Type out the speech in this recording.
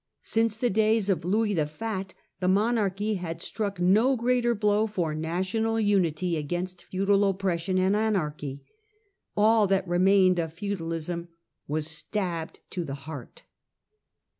Since the days of Louis the Fat the monarchy had struck no greater bldw for national unity against feudal oppression and anarchy ; all that remained of feudalism was stabbed to the heart.